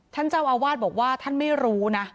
ท่านเจ้าอาวาสบอกว่าท่านไม่รู้นะ